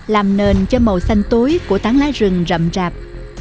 làm nền cho màu xanh túi của tán lá rừng rậm rạp